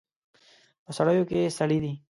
په سړیو کې سړي دي